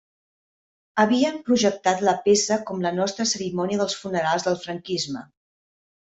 Havíem projectat la peça com la nostra cerimònia dels funerals del franquisme.